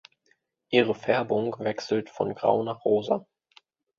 Ihre Färbung wechselt von grau nach rosa.